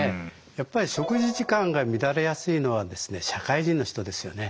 やっぱり食事時間が乱れやすいのはですね社会人の人ですよね。